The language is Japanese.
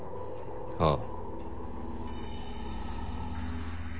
ああ。